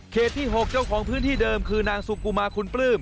ที่๖เจ้าของพื้นที่เดิมคือนางสุกุมาคุณปลื้ม